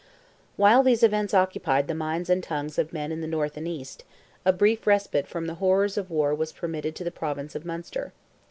While these events occupied the minds and tongues of men in the North and East, a brief respite from the horrors of war was permitted to the province of Munster.